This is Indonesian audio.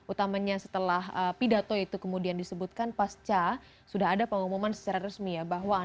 utamanya setelah pidato itu kemudian disebutkan pasca sudah ada pengumuman secara resmi ya bahwa